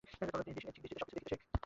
ঠিক দৃষ্টিতে সব কিছু দেখিতে শেখ।